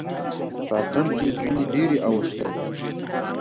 په اتڼ کې جونې ډیرې اوښتلې